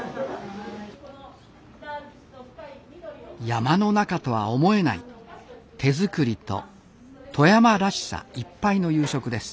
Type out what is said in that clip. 山の中とは思えない手作りと富山らしさいっぱいの夕食です。